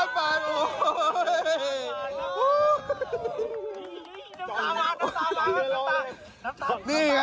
น้ำตาวะน้ำตาวะน้ำตาวะ